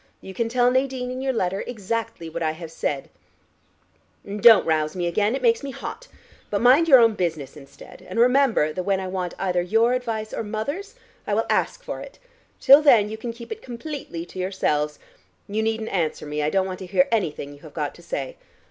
You can tell Nadine in your letter exactly what I have said. And don't rouse me again: it makes me hot. But mind your own business instead, and remember that when I want either your advice or mother's I will ask for it. Till then you can keep it completely to yourselves. You needn't answer me: I don't want to hear anything you have got to say.